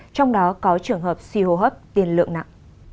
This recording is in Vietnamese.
trong đó có trường hợp suy hô hấp tiền lượng nặng